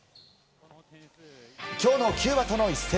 今日のキューバとの一戦。